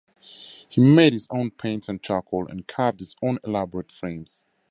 He made his own paints and charcoal, and carved his own elaborate frames.